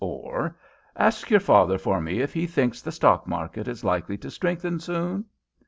or "ask your father for me if he thinks the stock market is likely to strengthen soon?"